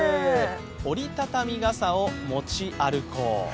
折り畳み傘を持ち歩こう。